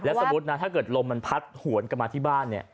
สมมุตินะถ้าเกิดลมมันพัดหวนกลับมาที่บ้านเนี่ย